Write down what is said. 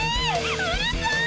うるさい！